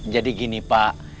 jadi gini pak